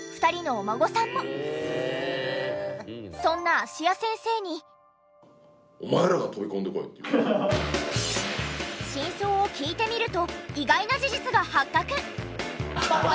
芦谷先生はそんな真相を聞いてみると意外な事実が発覚！